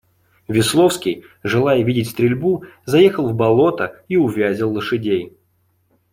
Весловский, желая видеть стрельбу, заехал в болото и увязил лошадей.